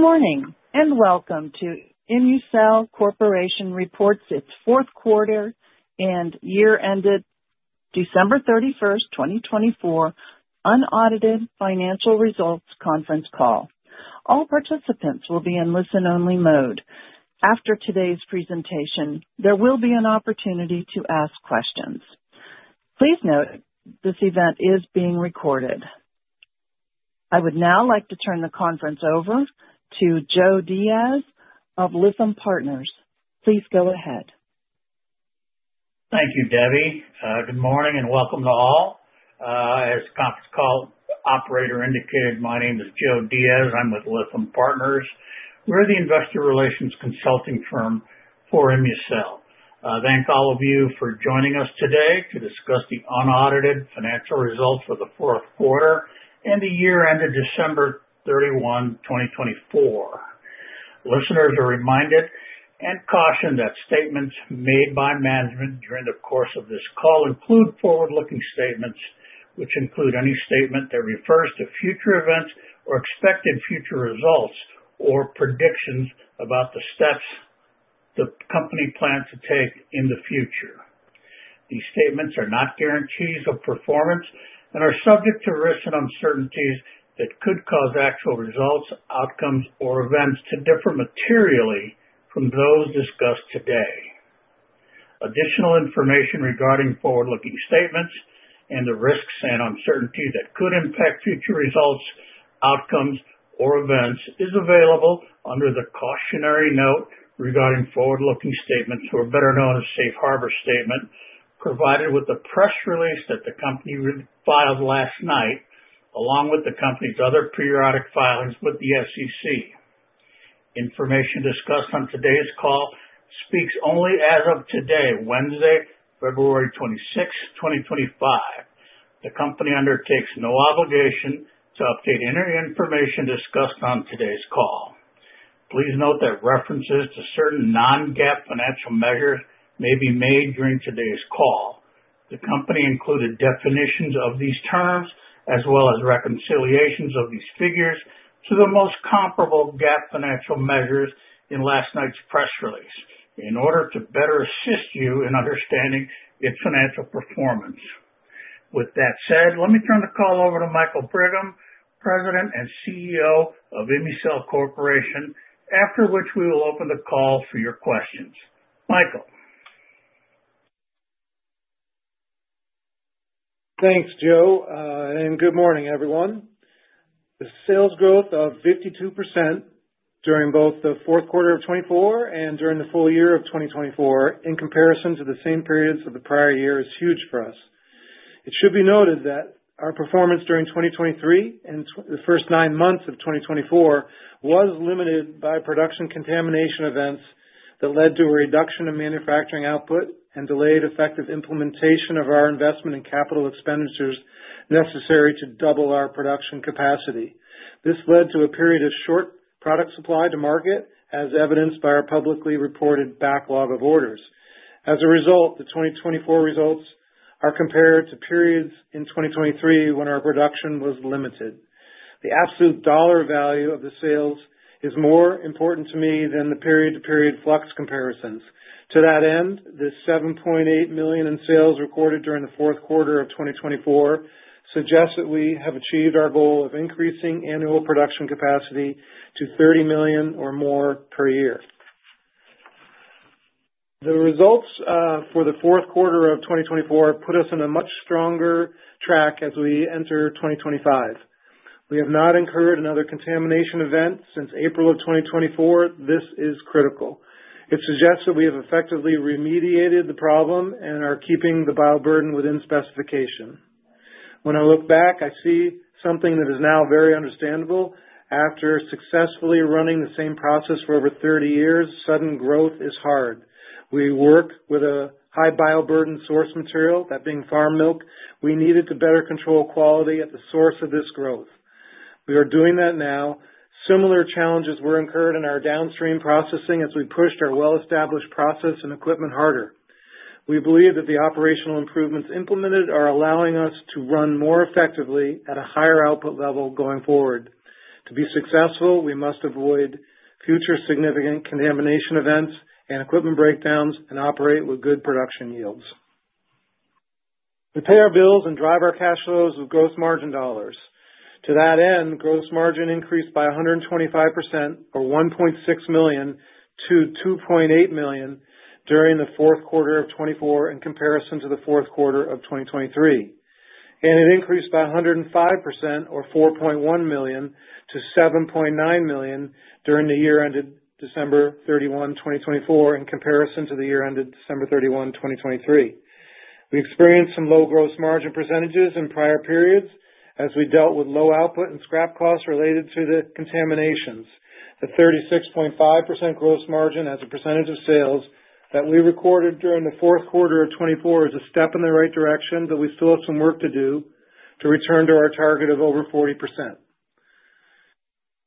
Good morning and welcome to ImmuCell Corporation reports its Q4 and year ended, December 31, 2024, unaudited financial results conference call. All participants will be in listen-only mode. After today's presentation, there will be an opportunity to ask questions. Please note this event is being recorded. I would now like to turn the conference over to Joe Diaz of Lytham Partners. Please go ahead. Thank you, Debbie. Good morning and welcome to all. As conference call operator indicated, my name is Joe Diaz. I'm with Lytham Partners. We're the investor relations consulting firm for ImmuCell. Thank all of you for joining us today to discuss the unaudited financial results for the fourth quarter and the year ended December 31, 2024. Listeners are reminded and cautioned that statements made by management during the course of this call include forward-looking statements, which include any statement that refers to future events or expected future results or predictions about the steps the company plans to take in the future. These statements are not guarantees of performance and are subject to risks and uncertainties that could cause actual results, outcomes, or events to differ materially from those discussed today. Additional information regarding forward-looking statements and the risks and uncertainties that could impact future results, outcomes, or events is available under the cautionary note regarding forward-looking statements, or better known as Safe Harbor statement, provided with the press release that the company filed last night, along with the company's other periodic filings with the SEC. Information discussed on today's call speaks only as of today, Wednesday, February 26, 2025. The company undertakes no obligation to update any information discussed on today's call. Please note that references to certain non-GAAP financial measures may be made during today's call. The company included definitions of these terms as well as reconciliations of these figures to the most comparable GAAP financial measures in last night's press release in order to better assist you in understanding its financial performance. With that said, let me turn the call over to Michael Brigham, President and CEO of ImmuCell Corporation, after which we will open the call for your questions. Michael. Thanks, Joe. Good morning, everyone. The sales growth of 52% during both the Q4 of 2024 and during the full year of 2024, in comparison to the same periods of the prior year, is huge for us. It should be noted that our performance during 2023 and the first nine months of 2024 was limited by production contamination events that led to a reduction in manufacturing output and delayed effective implementation of our investment and capital expenditures necessary to double our production capacity. This led to a period of short product supply to market, as evidenced by our publicly reported backlog of orders. As a result, the 2024 results are compared to periods in 2023 when our production was limited. The absolute dollar value of the sales is more important to me than the period-to-period flux comparisons. To that end, the $7.8 million in sales recorded during the fourth quarter of 2024 suggests that we have achieved our goal of increasing annual production capacity to 30 million or more per year. The results for the Q4 of 2024 put us in a much stronger track as we enter 2025. We have not incurred another contamination event since April of 2024. This is critical. It suggests that we have effectively remediated the problem and are keeping the bioburden within specification. When I look back, I see something that is now very understandable. After successfully running the same process for over 30 years, sudden growth is hard. We work with a high bioburden source material, that being farm milk. We needed to better control quality at the source of this growth. We are doing that now. Similar challenges were incurred in our downstream processing as we pushed our well-established process and equipment harder. We believe that the operational improvements implemented are allowing us to run more effectively at a higher output level going forward. To be successful, we must avoid future significant contamination events and equipment breakdowns and operate with good production yields. We pay our bills and drive our cash flows with gross margin dollars. To that end, gross margin increased by 125%, or $1.6 million-$2.8 million during the Q4 of 2024 in comparison to the Q4 of 2023. It increased by 105%, or $4.1 million-$7.9 million during the year ended December 31, 2024, in comparison to the year ended December 31, 2023. We experienced some low gross margin percentages in prior periods as we dealt with low output and scrap costs related to the contaminations. The 36.5% gross margin as a percentage of sales that we recorded during the Q4 of 2024 is a step in the right direction, but we still have some work to do to return to our target of over 40%.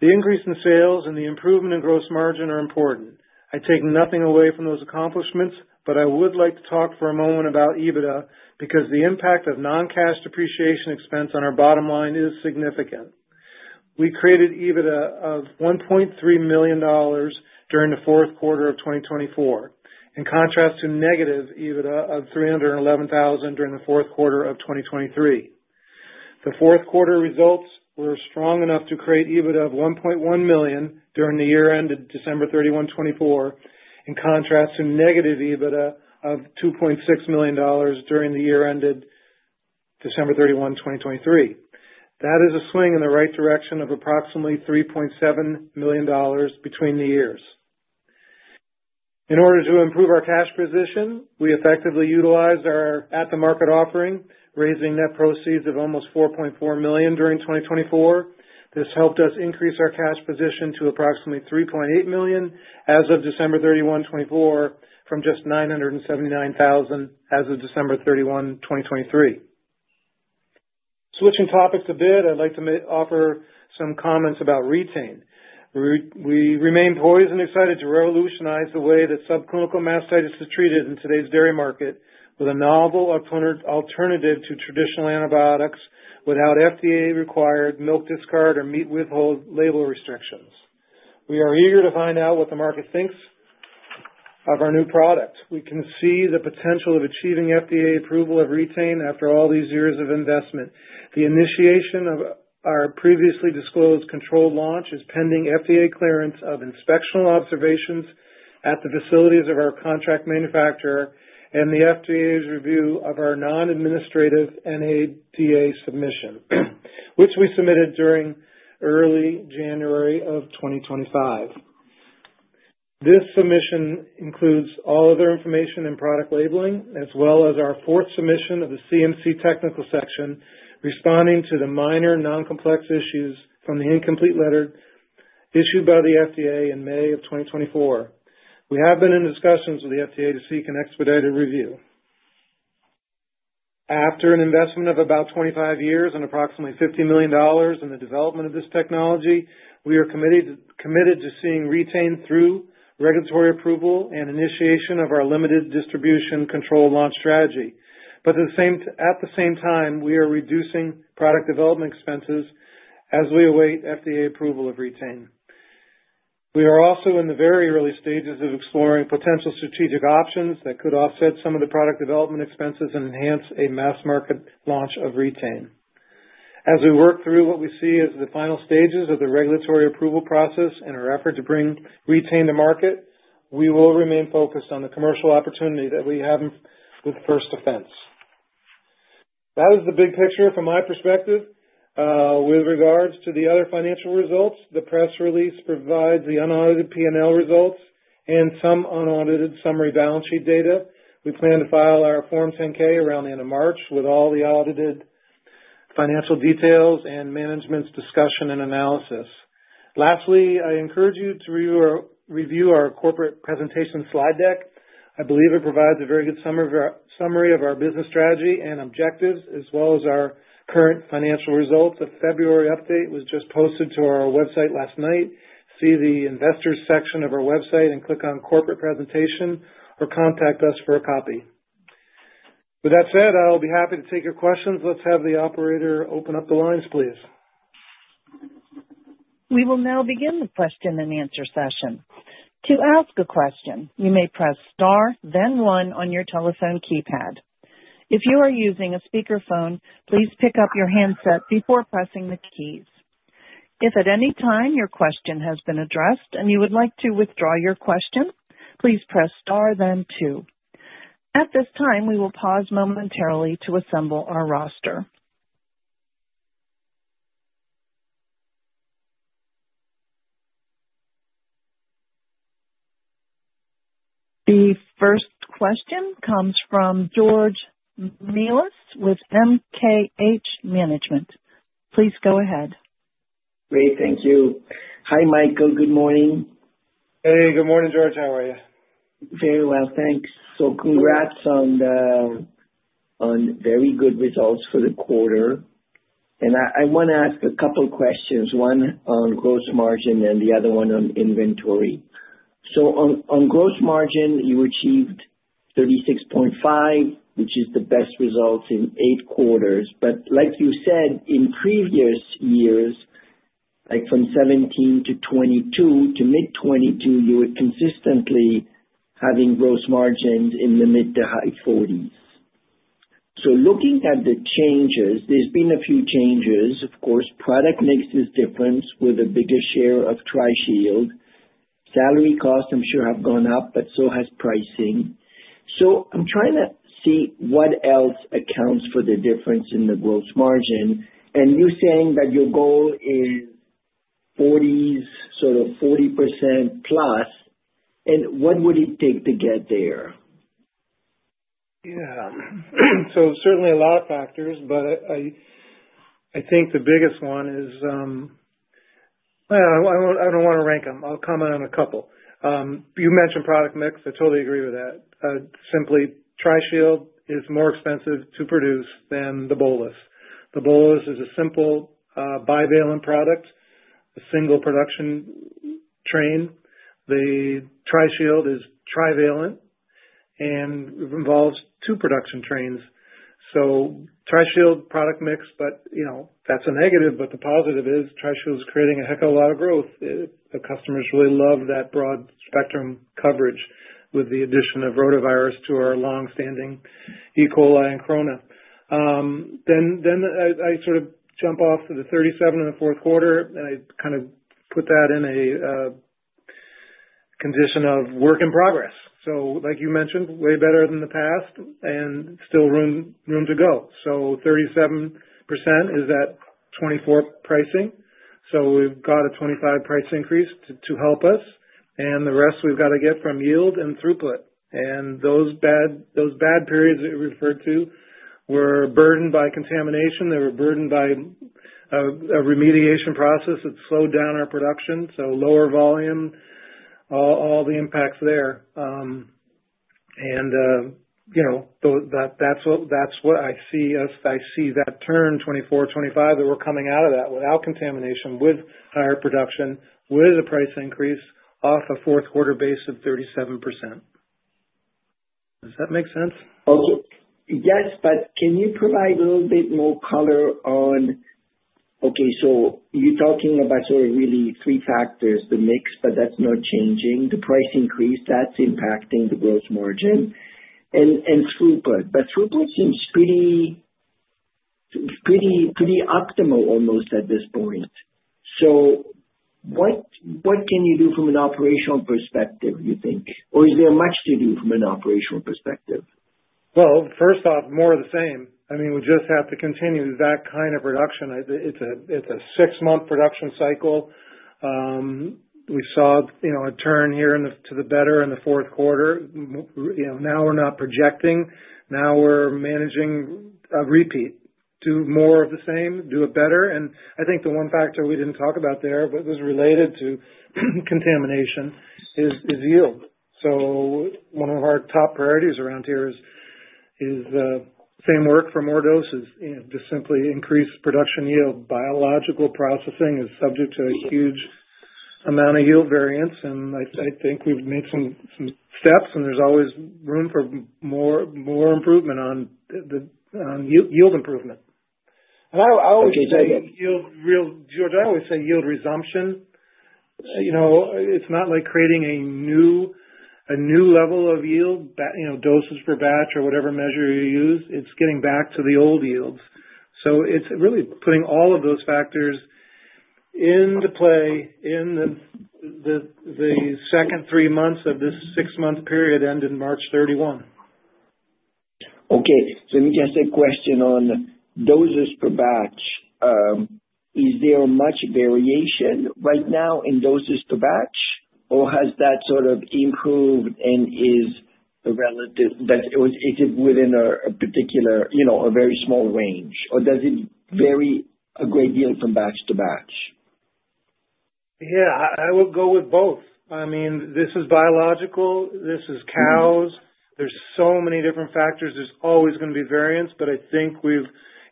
The increase in sales and the improvement in gross margin are important. I take nothing away from those accomplishments, but I would like to talk for a moment about EBITDA because the impact of non-cash depreciation expense on our bottom line is significant. We created EBITDA of $1.3 million during the Q4 of 2024, in contrast to negative EBITDA of $311,000 during the fourth quarter of 2023. The Q4 results were strong enough to create EBITDA of $1.1 million during the year ended December 31, 2024, in contrast to negative EBITDA of $2.6 million during the year-ended December 31, 2023. That is a swing in the right direction of approximately $3.7 million between the years. In order to improve our cash position, we effectively utilized our at-the-market offering, raising net proceeds of almost $4.4 million during 2024. This helped us increase our cash position to approximately $3.8 million as of December 31, 2024, from just $979,000 as of December 31, 2023. Switching topics a bit, I'd like to offer some comments about Re-Tain. We remain poised and excited to revolutionize the way that subclinical mastitis is treated in today's dairy market with a novel alternative to traditional antibiotics without FDA-required milk discard or meat withhold label restrictions. We are eager to find out what the market thinks of our new product. We can see the potential of achieving FDA approval of Re-Tain after all these years of investment. The initiation of our previously disclosed controlled launch is pending FDA clearance of inspectional observations at the facilities of our contract manufacturer and the FDA's review of our non-administrative NADA submission, which we submitted during early January of 2025. This submission includes all other information and product labeling, as well as our fourth submission of the CMC technical section responding to the minor non-complex issues from the incomplete letter issued by the FDA in May of 2024. We have been in discussions with the FDA to seek an expedited review. After an investment of about 25 years and approximately $50 million in the development of this technology, we are committed to seeing Re-Tain through regulatory approval and initiation of our limited distribution controlled launch strategy. At the same time, we are reducing product development expenses as we await FDA approval of Re-Tain. We are also in the very early stages of exploring potential strategic options that could offset some of the product development expenses and enhance a mass market launch of Re-Tain. As we work through what we see as the final stages of the regulatory approval process in our effort to bring Re-Tain to market, we will remain focused on the commercial opportunity that we have with First Defense. That is the big picture from my perspective. With regards to the other financial results, the press release provides the unaudited P&L results and some unaudited summary balance sheet data. We plan to file our Form 10-K around the end of March with all the audited financial details and management's discussion and analysis. Lastly, I encourage you to review our corporate presentation slide deck. I believe it provides a very good summary of our business strategy and objectives, as well as our current financial results. A February update was just posted to our website last night. See the investors section of our website and click on corporate presentation or contact us for a copy. With that said, I'll be happy to take your questions. Let's have the operator open up the lines, please. We will now begin the question and answer session. To ask a question, you may press star, then one on your telephone keypad. If you are using a speakerphone, please pick up your handset before pressing the keys. If at any time your question has been addressed and you would like to withdraw your question, please press star, then two. At this time, we will pause momentarily to assemble our roster. The first question comes from George Melas with MKH Management. Please go ahead. Great. Thank you. Hi, Michael. Good morning. Hey, good morning, George. How are you? Very well, thanks. Congrats on very good results for the quarter. I want to ask a couple of questions, one on gross margin and the other one on inventory. On gross margin, you achieved 36.5%, which is the best result in eight quarters. Like you said, in previous years, from 17-22 to mid-22, you were consistently having gross margins in the mid to high 40%. Looking at the changes, there have been a few changes. Of course, product mix is different with a bigger share of Tri-Shield. Salary costs, I'm sure, have gone up, but so has pricing. I'm trying to see what else accounts for the difference in the gross margin. You're saying that your goal is 40%, sort of 40% plus. What would it take to get there? Yeah. Certainly a lot of factors, but I think the biggest one is, I do not want to rank them. I will comment on a couple. You mentioned product mix. I totally agree with that. Simply, Tri-Shield is more expensive to produce than the bolus. The bolus is a simple bivalent product, a single production train. The Tri-Shield is trivalent and involves two production trains. Tri-Shield product mix, but that is a negative. The positive is Tri-Shield is creating a heck of a lot of growth. The customers really love that broad spectrum coverage with the addition of rotavirus to our longstanding E. coli and corona. I sort of jump off to the 37 in the fourth quarter, and I kind of put that in a condition of work in progress. Like you mentioned, way better than the past and still room to go. Thirty-seven percent is that 2024 pricing. We've got a 25 price increase to help us. The rest we've got to get from yield and throughput. Those bad periods that you referred to were burdened by contamination. They were burdened by a remediation process that slowed down our production. Lower volume, all the impacts there. That's what I see as I see that turn 24, 25, that we're coming out of that without contamination, with higher production, with a price increase off a Q4 base of 37%. Does that make sense? Yes, but can you provide a little bit more color on, okay, so you're talking about sort of really three factors, the mix, but that's not changing. The price increase, that's impacting the gross margin, and throughput. Throughput seems pretty optimal almost at this point. What can you do from an operational perspective, do you think? Is there much to do from an operational perspective? First off, more of the same. I mean, we just have to continue that kind of production. It's a six-month production cycle. We saw a turn here to the better in the fourth quarter. Now we're not projecting. Now we're managing a repeat. Do more of the same, do it better. I think the one factor we didn't talk about there, but it was related to contamination, is yield. One of our top priorities around here is same work for more doses, just simply increase production yield. Biological processing is subject to a huge amount of yield variance. I think we've made some steps, and there's always room for more improvement on yield improvement. I always say yield, George, I always say yield resumption. It's not like creating a new level of yield, doses per batch or whatever measure you use. It's getting back to the old yields. It's really putting all of those factors into play in the second three months of this six-month period ended March 31. Okay. Let me just ask a question on doses per batch. Is there much variation right now in doses per batch, or has that sort of improved and is it within a particular or very small range, or does it vary a great deal from batch to batch? Yeah, I would go with both. I mean, this is biological. This is cows. There's so many different factors. There's always going to be variance, but I think we've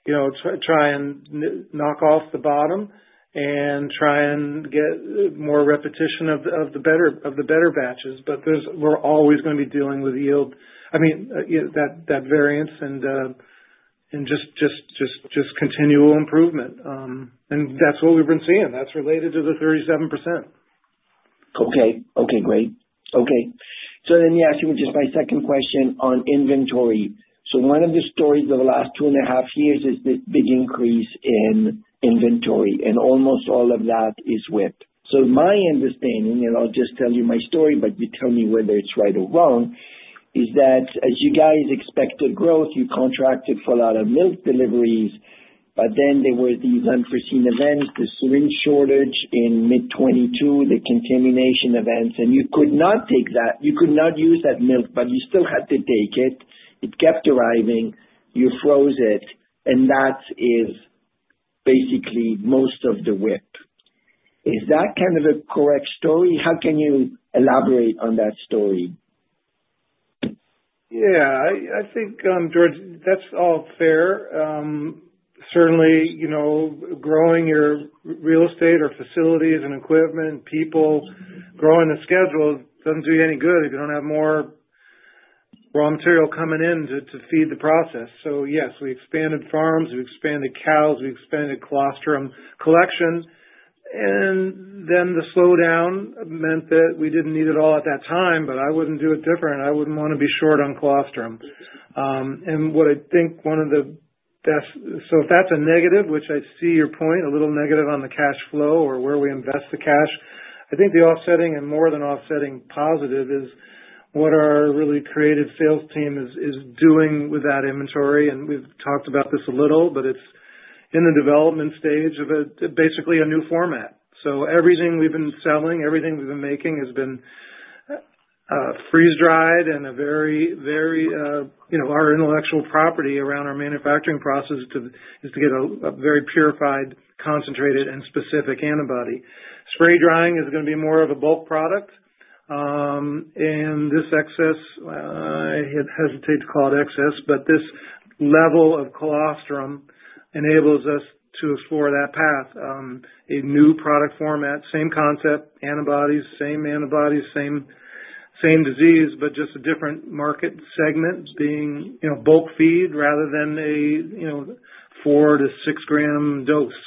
tried to knock off the bottom and try and get more repetition of the better batches. We're always going to be dealing with yield. I mean, that variance and just continual improvement. That's what we've been seeing. That's related to the 37%. Okay. Okay. Great. Okay. You asked me just my second question on inventory. One of the stories of the last two and a half years is the big increase in inventory, and almost all of that is WIP. My understanding, and I'll just tell you my story, but you tell me whether it's right or wrong, is that as you guys expected growth, you contracted for a lot of milk deliveries, but then there were these unforeseen events, the syringe shortage in mid-22, the contamination events, and you could not take that. You could not use that milk, but you still had to take it. It kept arriving. You froze it, and that is basically most of the WIP. Is that kind of a correct story? How can you elaborate on that story? Yeah. I think, George, that's all fair. Certainly, growing your real estate or facilities and equipment, people growing the schedule doesn't do you any good if you don't have more raw material coming in to feed the process. Yes, we expanded farms. We expanded cows. We expanded colostrum collection. The slowdown meant that we didn't need it all at that time, but I wouldn't do it different. I wouldn't want to be short on colostrum. What I think one of the best, so if that's a negative, which I see your point, a little negative on the cash flow or where we invest the cash, I think the offsetting and more than offsetting positive is what our really creative sales team is doing with that inventory. We've talked about this a little, but it's in the development stage of basically a new format. Everything we've been selling, everything we've been making has been freeze-dried and our intellectual property around our manufacturing process is to get a very purified, concentrated, and specific antibody. Spray drying is going to be more of a bulk product. This excess, I hesitate to call it excess, but this level of colostrum enables us to explore that path, a new product format, same concept, antibodies, same antibodies, same disease, but just a different market segment being bulk feed rather than a 4-6 gram dose.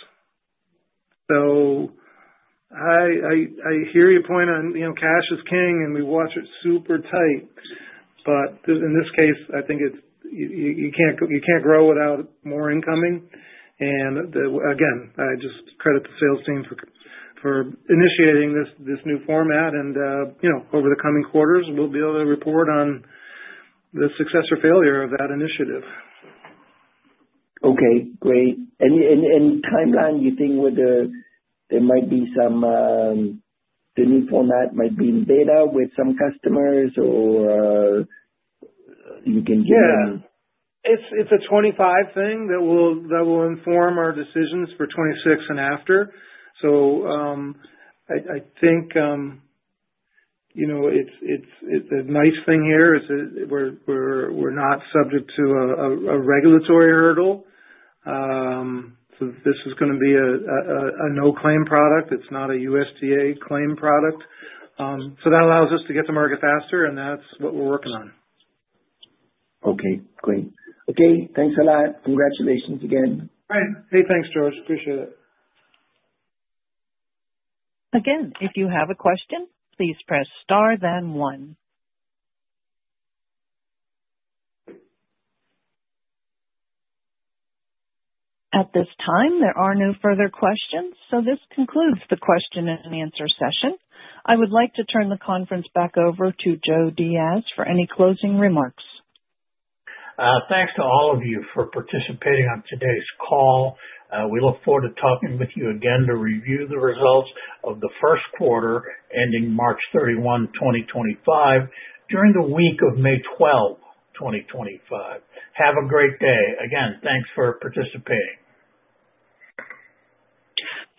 I hear your point on cash is king, and we watch it super tight. In this case, I think you can't grow without more incoming. I just credit the sales team for initiating this new format. Over the coming quarters, we'll be able to report on the success or failure of that initiative. Okay. Great. Timeline, you think there might be some, the new format might be in beta with some customers, or you can give me? Yeah. It's a 25 thing that will inform our decisions for 26 and after. I think the nice thing here is we're not subject to a regulatory hurdle. This is going to be a no-claim product. It's not a USDA claim product. That allows us to get to market faster, and that's what we're working on. Okay. Great. Okay. Thanks a lot. Congratulations again. All right. Hey, thanks, George. Appreciate it. Again, if you have a question, please press star, then one. At this time, there are no further questions. This concludes the question and answer session. I would like to turn the conference back over to Joe Diaz for any closing remarks. Thanks to all of you for participating on today's call. We look forward to talking with you again to review the results of the first quarter ending March 31, 2025, during the week of May 12, 2025. Have a great day. Again, thanks for participating.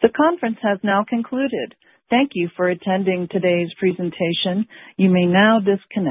The conference has now concluded. Thank you for attending today's presentation. You may now disconnect.